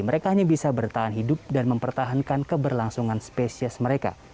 mereka hanya bisa bertahan hidup dan mempertahankan keberlangsungan spesies mereka